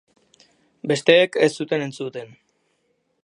Besteek ez zuten entzuten.